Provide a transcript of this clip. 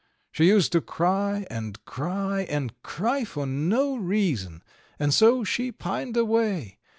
She used to cry and cry and cry for no reason, and so she pined away.